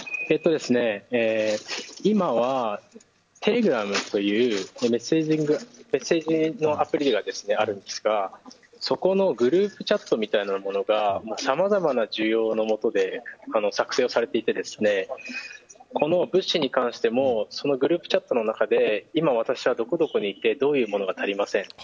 今はテレグラムというメッセージングのアプリがあるんですがそこのグループチャットみたいなものが様々な需要のもとで作成をされていてこの物資に関してもグループチャットの中で今、私はどこにいてどういうものが足りません